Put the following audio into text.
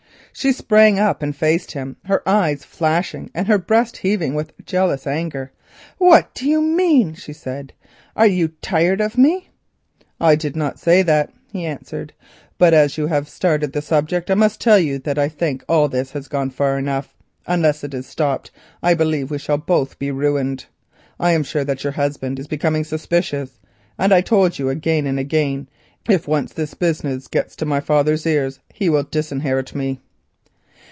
She sprang up and faced him, her eyes flashing and her breast heaving with jealous anger. "What do you mean?" she said. "Are you tired of me?" "I did not say that," he answered, "but as you have started the subject I must tell you that I think all this has gone far enough. Unless it is stopped I believe we shall both be ruined. I am sure that your husband is becoming suspicious, and as I have told you again and again, if once the business gets to my father's ears he will disinherit me."